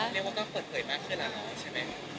เรียกว่าก็เปิดเผยมากขึ้นแล้วเนาะใช่ไหม